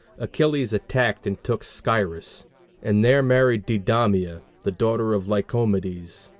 Achilles attacked and took Scyrus, and there married Deidamia, the daughter of Lycomedes.